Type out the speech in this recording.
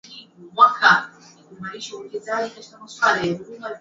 Hong Kong iliyokuwa koloni la Uingereza na Macau